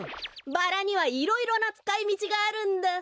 バラにはいろいろなつかいみちがあるんだ。